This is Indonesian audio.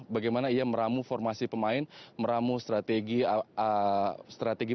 bagaimana ia meramu formasi pemain meramu strategi